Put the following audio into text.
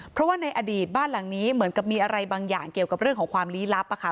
เพราะว่าในอดีตบ้านหลังนี้เหมือนกับมีอะไรบางอย่างเกี่ยวกับเรื่องของความลี้ลับค่ะ